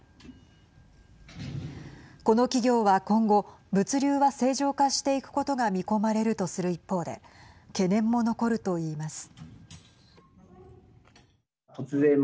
この企業は今後物流は正常化していくことが見込まれるとする一方で懸念も残るといいます。